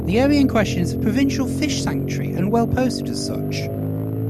The area in question is a provincial fish sanctuary, and well posted as such.